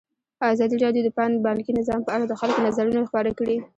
ازادي راډیو د بانکي نظام په اړه د خلکو نظرونه خپاره کړي.